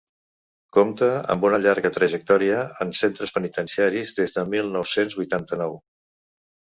Compta amb una llarga trajectòria en centres penitenciaris des del mil nou-cents vuitanta-nou.